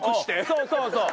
そうそうそう！